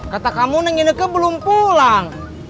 kata kamu neng ineke belum pulang